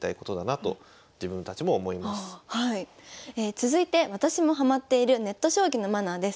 続いて私もハマっているネット将棋のマナーです。